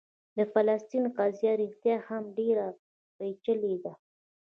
د فلسطین قضیه رښتیا هم ډېره پېچلې ده.